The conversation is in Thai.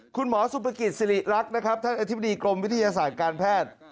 สุภกิจสิริรักษ์นะครับท่านอธิบดีกรมวิทยาศาสตร์การแพทย์